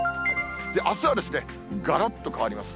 あすはがらっと変わります。